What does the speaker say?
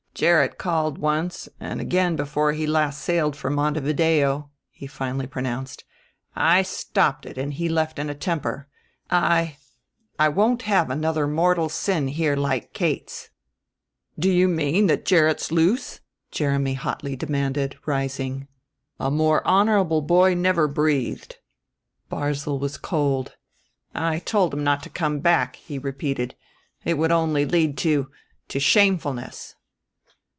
"Gerrit called once and again before he last sailed for Montevideo," he finally pronounced. "I stopped it and he left in a temper. I I won't have another mortal sin here like Kate's." "Do you mean that Gerrit's loose?" Jeremy hotly demanded, rising. "A more honorable boy never breathed." Barzil was cold. "I told him not to come back," he repeated; "it would only lead to to shamefulness."